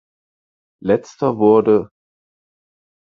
Letzter wurde.